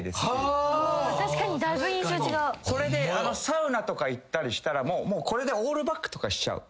サウナとか行ったりしたらこれでオールバックとかにしちゃう。